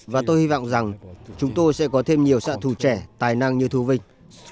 và tôi hy vọng rằng chúng tôi sẽ có thêm nhiều sạn thù trẻ tài năng như thu vinh